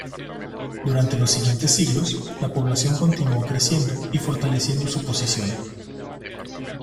Durante los siguientes siglos la población continuó creciendo y fortaleciendo su posición.